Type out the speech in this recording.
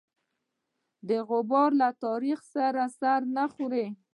د غبار له تاریخ سره سر نه خوري.